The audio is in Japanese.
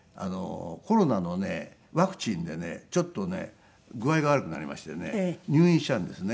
コロナのねワクチンでねちょっとね具合が悪くなりましてね入院したんですね。